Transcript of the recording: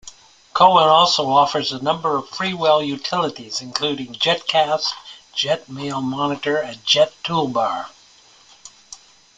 Cowon also offers a number of freeware utilities, including "JetCast", "JetMailMonitor" and "JetToolBar".